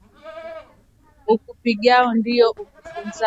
Ukupigao ndio ukufunzao